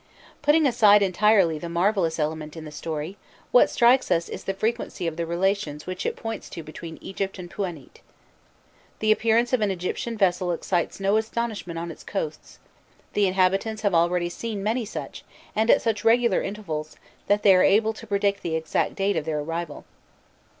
Putting aside entirely the marvellous element in the story, what strikes us is the frequency of the relations which it points to between Egypt and Pûanît. The appearance of an Egyptian vessel excites no astonishment on its coasts: the inhabitants have already seen many such, and at such regular intervals, that they are able to predict the exact date of their arrival.